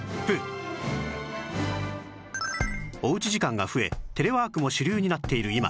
お家時間が増えテレワークも主流になっている今